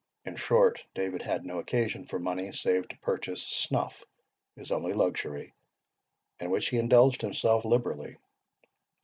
In short, David had no occasion for money, save to purchase snuff, his only luxury, in which he indulged himself liberally.